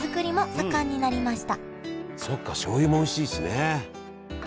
そっかしょうゆもおいしいしね。